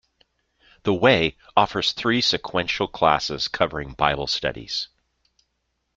The Way offers three sequential classes covering bible studies.